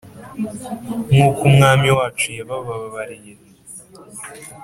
Nk’uko Umwami wacu yabababariye